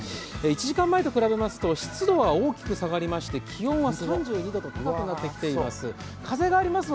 １時間前と比べますと、湿度は大きく下がりまして気温は３２度と高くなってきています。